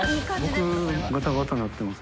僕ガタガタになってます。